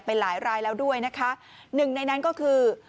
หลายรายแล้วด้วยนะคะหนึ่งในนั้นก็คือ